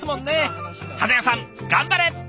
花屋さん頑張れ！